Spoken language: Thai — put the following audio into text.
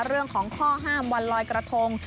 เรื่องของข้อห้ามวันลอยกระทง